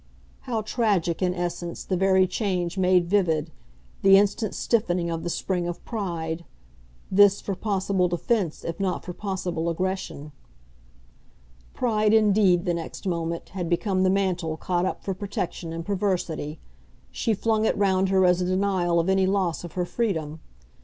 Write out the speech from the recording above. How tragic, in essence, the very change made vivid, the instant stiffening of the spring of pride this for possible defence if not for possible aggression. Pride indeed, the next moment, had become the mantle caught up for protection and perversity; she flung it round her as a denial of any loss of her freedom.